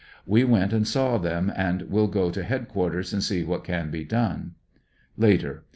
We went and saw them, and will go to head quarters to see what can be done. Later.